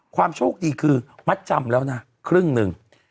ความโชคดีคือมัดจำแล้วนะครึ่งหนึ่ง